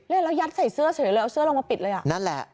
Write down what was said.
แล้วยัดใส่เสื้อเฉยเลยเอาเสื้อลงมาปิดเลยอ่ะนั่นแหละ